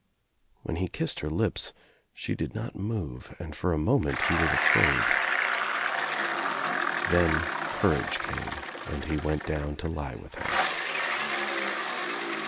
When he kissed her lips ihe did not move and for a moment he was afraid. Then courage came and he went down to lie with her.